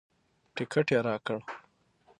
ټکټ یې راکړ.